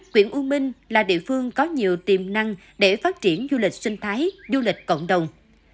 quyện u minh là địa phương có nhiều tiềm năng để phát triển du lịch sinh thái du lịch cộng đồng